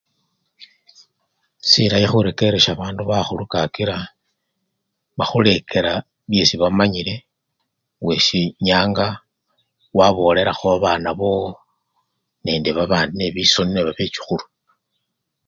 Silayi khurekeresya bandu bakhulu kakila bakhulekela byesi bamanyile wesi nyanga wabolelakho babana bowo nende babandi nebisoni nebabechukhulu.